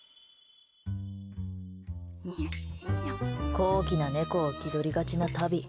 高貴な猫を気取りがちなタビ。